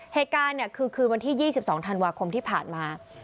เหตุการณ์คือคืนวันที่๒๒ธันวาคมที่ผ่านมา